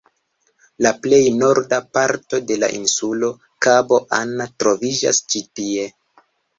La plej norda parto de la insulo, Kabo Anna, troviĝas ĉi tie.